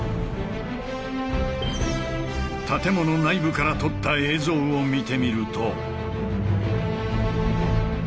建物内部から撮った映像を見てみると。